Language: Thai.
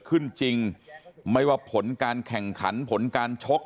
การแข่งขันผลการชก